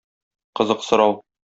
Кызык сорау.